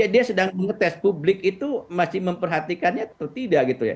dia sedang mengetes publik itu masih memperhatikannya atau tidak